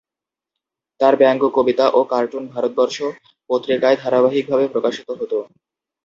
তার ব্যঙ্গ কবিতা ও কার্টুন 'ভারতবর্ষ' পত্রিকায় ধারাবাহিকভাবে প্রকাশিত হত।